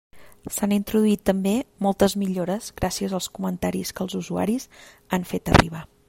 S'han introduït també moltes millores gràcies als comentaris que els usuaris han fet arribar.